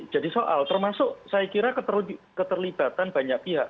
jadi soal termasuk saya kira keterlibatan banyak pihak